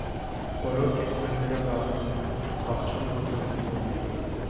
Բոլոր կենդանիները վախենում են, փախչում ու թաքնվում։